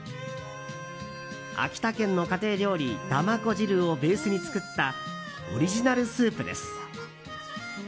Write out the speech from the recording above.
秋田県の家庭料理だまこ汁をベースに作ったオリジナルスープです。